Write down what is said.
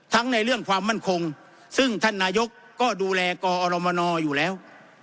ในเรื่องความมั่นคงซึ่งท่านนายกก็ดูแลกอรมนอยู่แล้ว